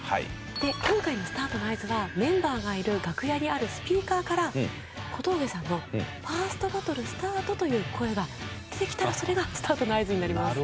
で今回のスタートの合図はメンバーがいる楽屋にあるスピーカーから小峠さんの「１ｓｔバトルスタート」という声が出てきたらそれがスタートの合図になります。